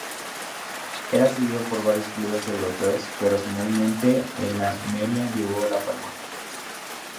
Era seguido por varios clubes europeos, pero, finalmente, el Almería se llevó la palma.